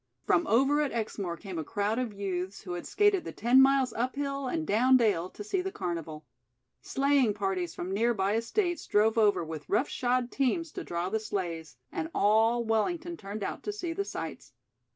From over at Exmoor came a crowd of youths who had skated the ten miles up hill and down dale to see the carnival. Sleighing parties from nearby estates drove over with rough shod teams to draw the sleighs, and all Wellington turned out to see the sights.